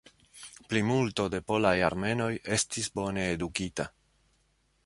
Plimulto de polaj armenoj estis bone edukita.